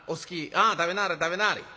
ああ食べなはれ食べなはれ。